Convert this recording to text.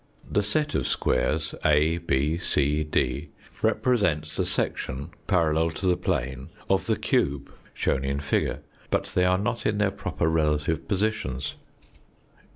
The set of squares, A, B, c, D, represents the section parallel to the plane of the cube shown in figure, but they are not in their proper relative positions.